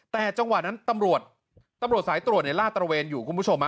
แต่จังหวะนั้นตำรวจตำรวจสายตรวจลาดตระเวนอยู่คุณผู้ชม